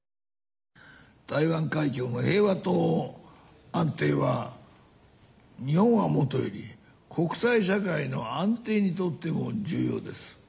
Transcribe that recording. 台湾海峡の平和と安定は日本はもとより、国際社会の安定にとっても重要です。